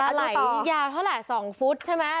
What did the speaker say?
ยาวเท่าไหร่๒ฟุตใช่ไหม